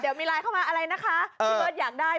เดี๋ยวมีไลน์เข้ามาอะไรนะคะพี่เบิร์ตอยากได้